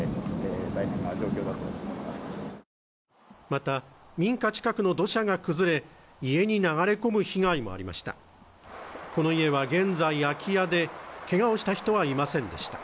また、民家近くの土砂が崩れ、家に流れ込む被害もありました。